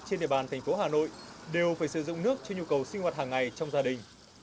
trên địa bàn thành phố hà nội đều phải sử dụng nước cho nhu cầu sinh hoạt hàng ngày trong gia đình